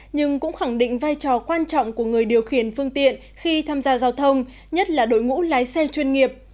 nhưng cũng khẳng định vai trò quan trọng của người điều khiển phương tiện khi tham gia giao thông nhất là đội ngũ lái xe chuyên nghiệp